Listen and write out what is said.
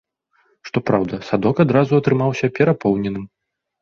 Што праўда, садок адразу атрымаўся перапоўненым.